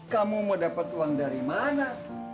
kamu mau dapat uang dari mana